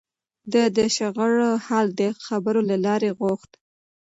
ده د شخړو حل د خبرو له لارې غوښت.